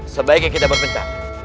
sebaiknya kita berpencang